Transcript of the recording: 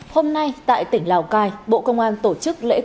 hôm nay tại tỉnh lào cai bộ công an tổ chức lễ công tác